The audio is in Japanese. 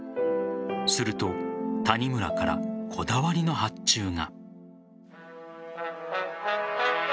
すると谷村からこだわりの発注が。